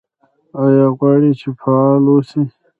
ایا غواړئ چې فعال اوسئ؟